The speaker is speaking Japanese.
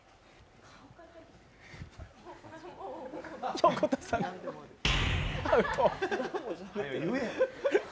横田さん、アウト。